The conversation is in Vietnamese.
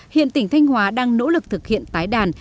hiện tỉnh thanh hóa đang nỗ lực thực hiện tái đàn